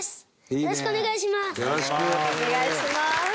よろしくお願いします！